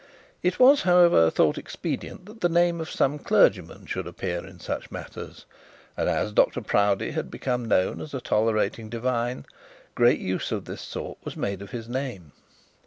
It was, however, thought expedient that the name of some clergyman should appear in such matters, and as Dr Proudie had become known as a tolerating divine, great use of this sort was made of his name.